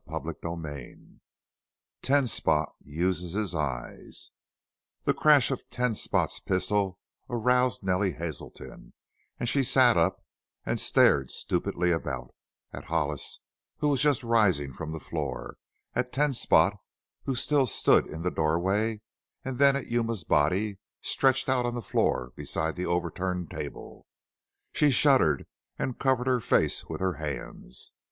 CHAPTER XXIII TEN SPOT USES HIS EYES The crash of Ten Spot's pistols aroused Nellie Hazelton, and she sat up and stared stupidly about at Hollis, who was just rising from the floor; at Ten Spot, who still stood in the doorway; and then at Yuma's body, stretched out on the floor beside the overturned table. She shuddered and covered her face with her hands.